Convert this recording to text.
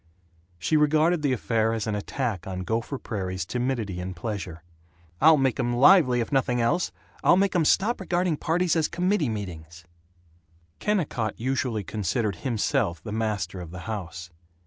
She regarded the affair as an attack on Gopher Prairie's timidity in pleasure. "I'll make 'em lively, if nothing else. I'll make 'em stop regarding parties as committee meetings." Kennicott usually considered himself the master of the house.